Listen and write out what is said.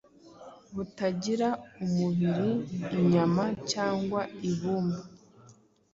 butagira umubiri, inyama cyangwa ibumba,